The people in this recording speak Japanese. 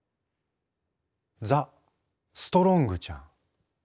ザ・ストロングちゃん。